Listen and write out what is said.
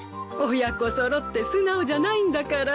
親子揃って素直じゃないんだから。